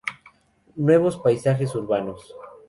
Nuevos paisajes urbanos.